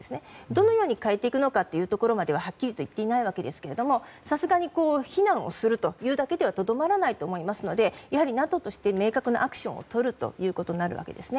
どのように変えていくのかははっきりと言っていないんですがさすがに非難をするだけではとどまらないと思いますのでやはりＮＡＴＯとして明確なアクションをとることになると思います。